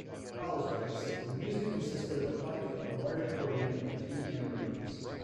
Powles writes "The music consisted of a fife, a large accordion and two tambourines".